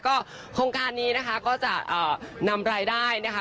ก็โครงการนี้นะคะก็จะเอ่อนำไรได้นะคะ